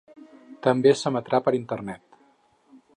També s’emetrà per internet.